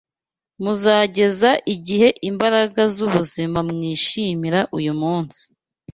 Muzageza igihe imbaraga z’ubuzima mwishimira uyu munsi